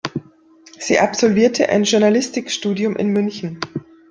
Sie absolvierte ein Journalistik-Studium in München.